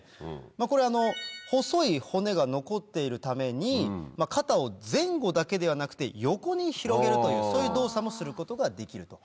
これ細い骨が残っているために肩を前後だけではなくて横に広げるというそういう動作もすることができると。